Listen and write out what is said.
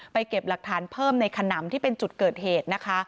เก็บหลักฐานเพิ่มในขนำที่เป็นจุดเกิดเหตุนะคะ